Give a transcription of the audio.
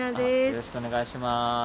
よろしくお願いします。